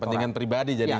kepentingan pribadi jadinya